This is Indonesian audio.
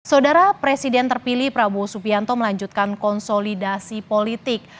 saudara presiden terpilih prabowo subianto melanjutkan konsolidasi politik